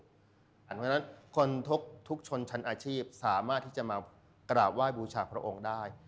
เพราะฉะนั้นคนทุกชนชั้นอาชีพสามารถที่จะมากราบไหว้บูชาพระองค์ได้